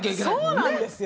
そうなんですよ。